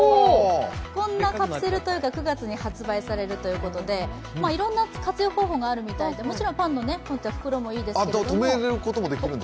こんなカプセルトイが９月に発売されるということでいろんな活用方法があるみたいでもちろんパンの袋もいいですけれども。